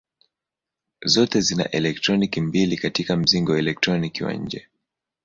Zote zina elektroni mbili katika mzingo elektroni wa nje.